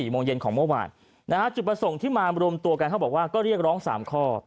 โมงเย็นของเมื่อวานนะฮะจุดประสงค์ที่มารวมตัวกันเขาบอกว่าก็เรียกร้อง๓ข้อ